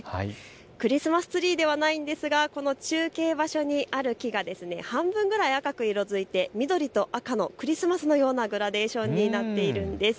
クリスマスツリーではないんですか、この中継場所にある木が半分ぐらい赤く色づいて緑と赤のクリスマスのようなグラデーションになっているんです。